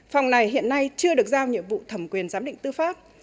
phòng này hiện nay chưa được giao nhiệm vụ thẩm quyền giám định tư pháp